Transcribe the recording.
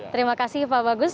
terima kasih pak bagus